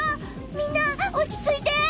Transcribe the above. みんなおちついて！